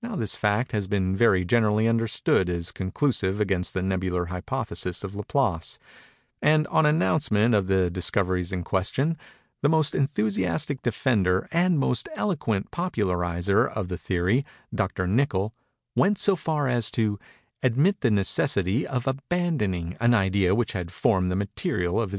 Now this fact has been very generally understood as conclusive against the Nebular Hypothesis of Laplace; and, on announcement of the discoveries in question, the most enthusiastic defender and most eloquent popularizer of the theory, Dr. Nichol, went so far as to "admit the necessity of abandoning" an idea which had formed the material of his most praiseworthy book.